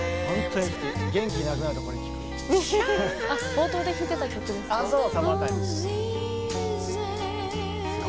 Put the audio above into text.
冒頭で弾いてた曲ですか？